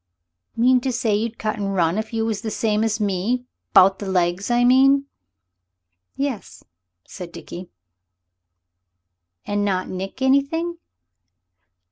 "Mean to say you'd cut and run if you was the same as me about the legs, I mean?" "Yes," said Dickie. "And not nick anything?"